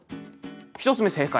１つ目正解。